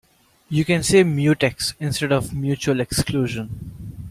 You can say mutex instead of mutual exclusion.